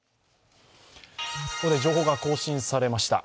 情報が更新されました。